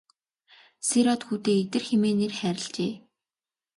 Сэр-Од хүүдээ Идэр хэмээн нэр хайрлажээ.